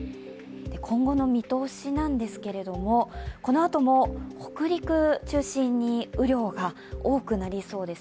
今後の見通しなんですけどこのあとも北陸を中心に雨量が多くなりそうです。